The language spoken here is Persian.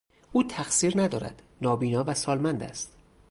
او تقصیر ندارد، نابینا و سالمند است.